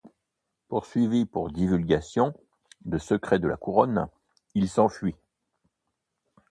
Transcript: Poursuivi pour divulgation de secrets de la Couronne, il s'enfuit.